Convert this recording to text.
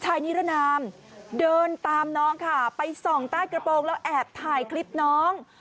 นิรนามเดินตามน้องค่ะไปส่องใต้กระโปรงแล้วแอบถ่ายคลิปน้อง